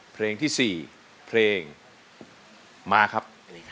เพลงที่๔เพลงมาครับ